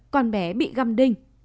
con bé bị găm đinh